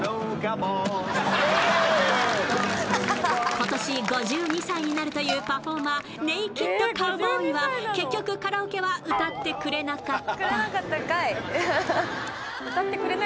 今年５２歳になるというパフォーマーネイキッドカウボーイは結局カラオケは歌ってくれなかった。